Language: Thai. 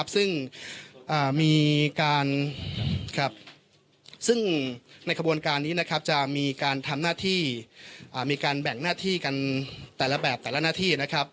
ซึ่งในขบวนการนี้จะมีการทำหน้าที่มีการแบ่งหน้าที่กันแต่ละแบบแต่ละหน้าที่